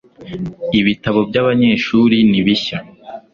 Ibitabo byabanyeshuri ni bishya